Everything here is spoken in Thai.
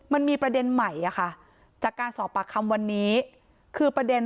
มันมีประเด็นใหม่อะค่ะจากการสอบปากคำวันนี้คือประเด็น